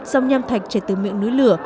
dòng nham thạch chảy từ miệng núi lửa